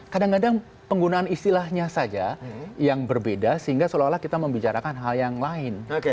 kadang kadang penggunaan istilahnya saja yang berbeda sehingga seolah olah kita membicarakan hal yang lain